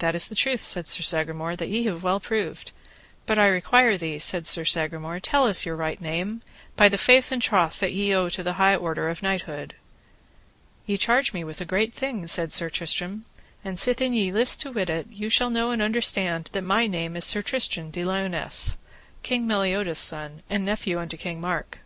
That is truth, said Sir Sagramore, that have we well proved; but I require thee, said Sir Sagramore, tell us your right name, by the faith and troth that ye owe to the high order of knighthood. Ye charge me with a great thing, said Sir Tristram, and sithen ye list to wit it, ye shall know and understand that my name is Sir Tristram de Liones, King Meliodas' son, and nephew unto King Mark.